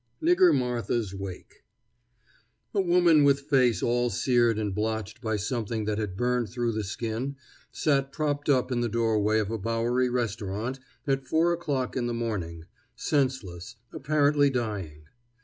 NIGGER MARTHA'S WAKE A woman with face all seared and blotched by something that had burned through the skin sat propped up in the doorway of a Bowery restaurant at four o'clock in the morning, senseless, apparently dying.